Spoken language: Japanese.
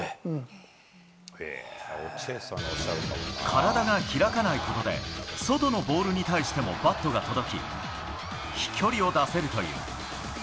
体が開かないことで、外のボールに対してもバットが届き、飛距離を出せるという。